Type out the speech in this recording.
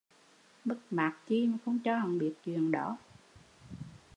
Mất mát chi mà không cho hắn biết chuyện đó